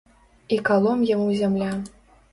І калом яму зямля.